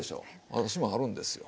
私もあるんですよ。